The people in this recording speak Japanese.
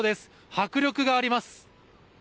迫力があります。